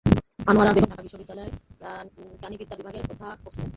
আনোয়ারা বেগম ঢাকা বিশ্ববিদ্যালয়ের প্রাণিবিদ্যা বিভাগের অধ্যাপক ছিলেন।